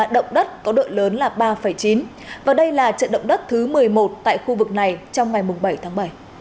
động đất có đội lớn là ba chín và đây là trận động đất thứ một mươi một tại khu vực này trong ngày bảy tháng bảy